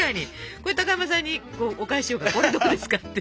これ高山さんにお返ししようかこれどうですかって。